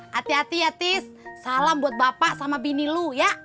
hati hati ya tips salam buat bapak sama bini lu ya